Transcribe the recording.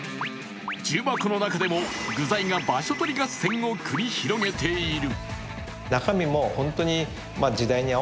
重箱の中でも具材が場所取り合戦を繰り広げている。